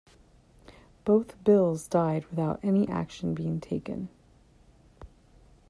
Both bills died without any action being taken.